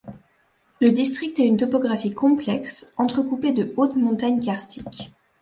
Le district a une topographie complexe entrecoupée de hautes montagnes karstiques.